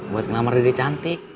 buat ngamar dede cantik